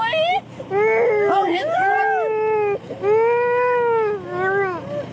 นี่ลูกไม่บ้างหรอก